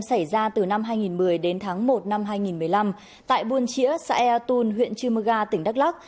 xảy ra từ năm hai nghìn một mươi đến tháng một năm hai nghìn một mươi năm tại buôn chĩa saeatun huyện chư mơ ga tỉnh đắk lắk